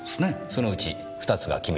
そのうち２つが君と僕。